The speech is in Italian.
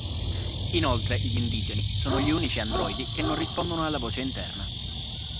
Inoltre gli indigeni sono gli unici androidi che non rispondono alla voce interna.